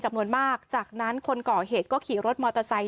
จำนวนมากจากนั้นคนก่อเหตุก็ขี่รถมอเตอร์ไซค